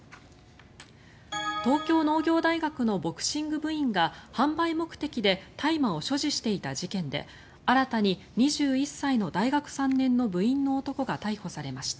東京農業大学のボクシング部員が販売目的で大麻を所持していた事件で新たに２１歳の大学３年の部員の男が逮捕されました。